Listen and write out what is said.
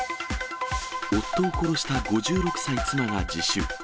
夫を殺した５６歳妻が自首。